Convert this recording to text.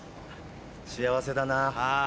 幸せだなぁ。